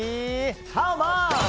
ハウマッチ！